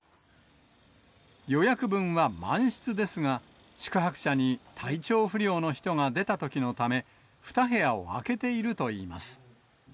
予約分は満室ですが、宿泊者に体調不良の人が出たときのため、２部屋を空けているといいます。